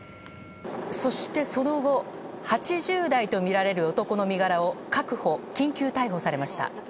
そして、その後８０代とみられる男の身柄を確保緊急逮捕されました。